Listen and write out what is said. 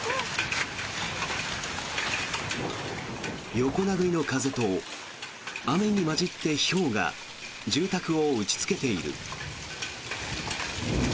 横殴りの風と雨に交じってひょうが住宅を打ちつけている。